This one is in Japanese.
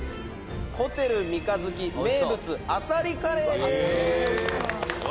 「ホテル三日月名物あさりカレーです！」